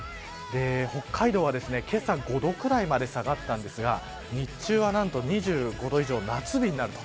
北海道は、けさ５度ぐらいまで下がったんですが日中は、なんと２５度以上夏日になると。